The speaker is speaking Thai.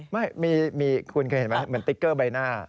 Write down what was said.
ไม่มีคุณเคยเห็นไหมเหมือนติ๊กเกอร์ใบหน้า